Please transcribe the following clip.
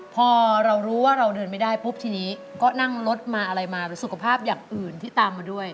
พอเรารู้ว่าเราเดินไม่ได้ปุ๊บทีนี้ก็นั่งรถมาอะไรมาสุขภาพอย่างอื่นที่ตามมาด้วย